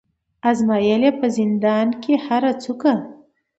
آزمېیل یې په زندان کي هره څوکه